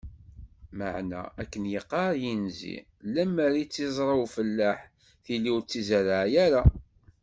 Meεna akken iqqar yinzi: limmer i tt-iẓra ufellaḥ tili ur tt-izerreɛ ara.